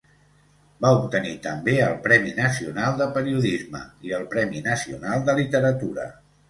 Va obtenir també el Premi Nacional de Periodisme i el Premi Nacional de Literatura.